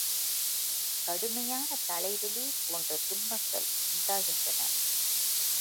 கடுமையான தலைவலி போன்ற துன்பங்கள் உண்டாகின்றன.